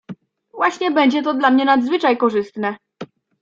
"Właśnie będzie to dla mnie nadzwyczaj korzystne."